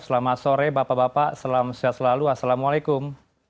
selamat sore bapak bapak selamat siang selalu assalamualaikum